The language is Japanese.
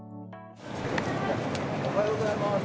おはようございます。